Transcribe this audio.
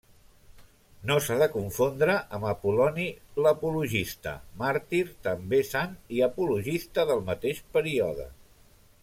No s'ha de confondre amb Apol·loni l'Apologista, màrtir, també sant i apologista del mateix període.